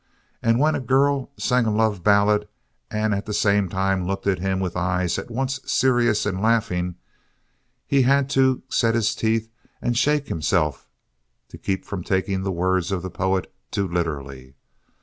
And when a girl sang a love ballad and at the same time looked at him with eyes at once serious and laughing, he had to set his teeth and shake himself to keep from taking the words of the poet too literally.